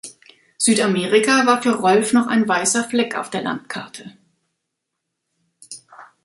Südamerika war für Rolf noch ein weißer Fleck auf der Landkarte.